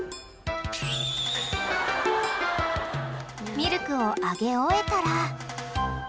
［ミルクをあげ終えたら］